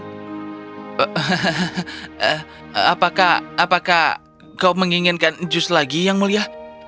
hehehe apakah apakah kau menginginkan jus lagi yang mulia